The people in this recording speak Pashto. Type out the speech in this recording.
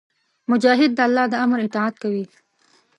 مجاهد د الله د امر اطاعت کوي.